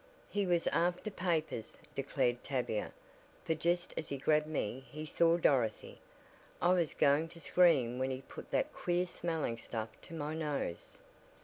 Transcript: "He was after papers," declared Tavia, "for just as he grabbed me he saw Dorothy. I was going to scream when he put that queer smelling stuff to my nose."